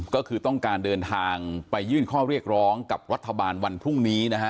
ก็คือต้องการเดินทางไปยื่นข้อเรียกร้องกับรัฐบาลวันพรุ่งนี้นะฮะ